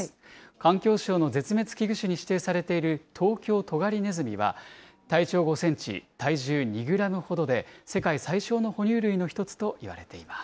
環境省の絶滅危惧種に指定されているトウキョウトガリネズミは、体長５センチ、体重２グラムほどで、世界最小の哺乳類の一つと言われています。